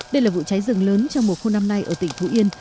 đây là vụ cháy rừng lớn trong mùa khô năm nay ở tỉnh phú yên